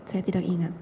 saya tidak ingat